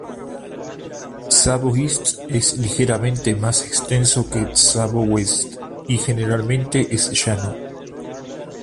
Tsavo East es ligeramente más extenso que Tsavo West y generalmente es llano.